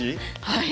はい。